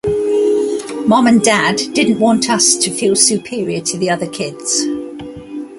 Mom and Dad didn't want us to feel superior to the other kids.